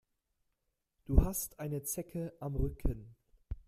Du hast eine Zecke am Rücken.